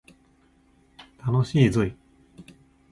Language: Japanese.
楽しいぞい